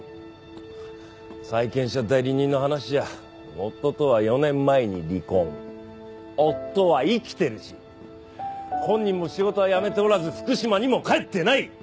債権者代理人の話じゃ夫とは４年前に離婚夫は生きてるし本人も仕事は辞めておらず福島にも帰ってない！